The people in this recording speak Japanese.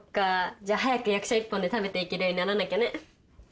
じゃあ早く役者一本で食べていけるようにならなきゃね。